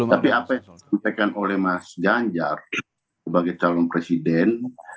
tapi apa yang disampaikan oleh mas ganjar sebagai calon presiden